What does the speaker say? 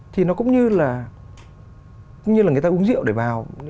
thì nó cũng như là người ta uống rượu để vào